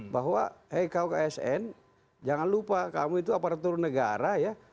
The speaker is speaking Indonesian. bahwa hei kau ke asn jangan lupa kamu itu aparatur negara ya